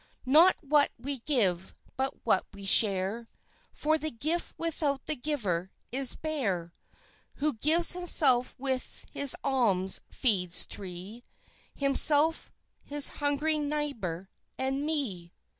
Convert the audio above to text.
Not what we give, but what we share, For the gift without the giver is bare; Who gives himself with his alms feeds three, Himself, his hungering neighbor, and me."